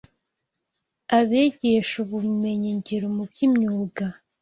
abigisha ubumenyingiro mu by’imyuga